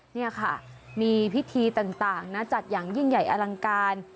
นี่ค่ะมีพิธีต่างนะจัดอย่างยิ่งใหญ่อลังการ